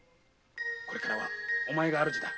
これからはお前が主だ。